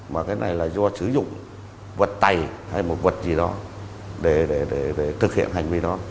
mà cái này là do sử dụng vật tày hay một vật gì đó để thực hiện hành vi đó